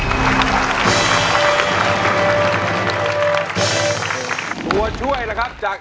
ตัวช่วยล่ะครับจาก